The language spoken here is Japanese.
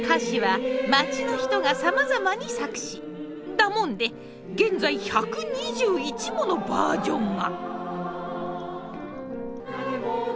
だもんで現在１２１ものバージョンが！